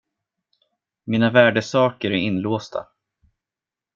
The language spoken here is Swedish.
Mina värdesaker är inlåsta.